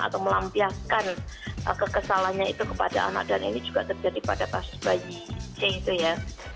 atau melampiaskan kekesalannya itu kepada anak dan ini juga terjadi pada kasus bayi c itu ya